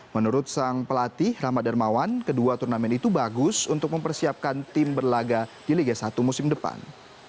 menurut sang pelatih rahmat darmawan kedua turnamen itu bagus untuk mempersiapkan tim berlaga di liga satu musim depan